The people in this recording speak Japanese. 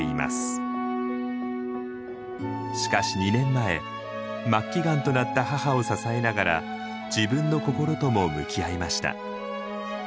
しかし２年前末期がんとなった母を支えながら自分の心とも向き合いました。